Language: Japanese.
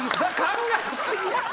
考え過ぎやって。